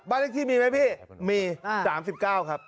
เลขที่มีไหมพี่มี๓๙ครับ